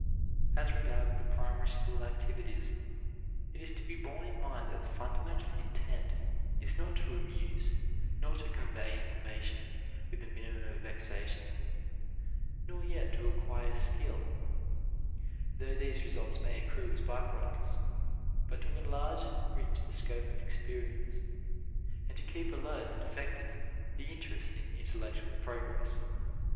As regards the primary school activities, it is to be borne in mind that the fundamental intent is not to amuse nor to convey information with a minimum of vexation nor yet to acquire skill, though these results may accrue as by products, but to enlarge and enrich the scope of experience, and to keep alert and effective the interest in intellectual progress.